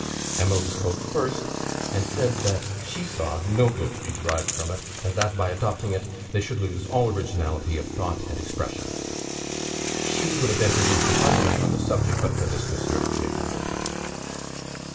Emily spoke first; and said that she saw no good to be derived from it; and that, by adopting it, they should lose all originality of thought and expression. She would have entered into an argument on the subject, but for this, M. Heger had no time.